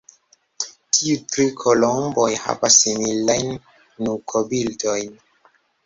Tiu tri kolomboj havas similajn nukobildojn.